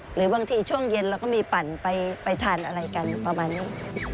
หรือบางทีช่วงเย็นเราก็มีปั่นไปทานอะไรกันประมาณนี้